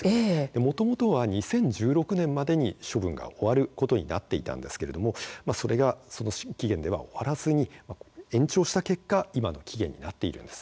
もともとは２０１６年までに処分が終わることになっていたんですけれどもそれがその期限では終わらずに延長した結果、今の期限になっているんです。